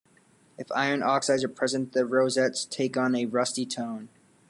If iron oxides are present, the rosettes take on a rusty tone.